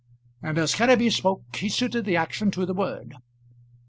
And as Kenneby spoke he suited the action to the word.